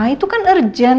itu kan urgent